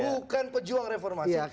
bukan pejuang reformasi